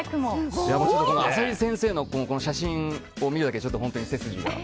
浅利先生のこの写真を見ただけで本当に背筋が。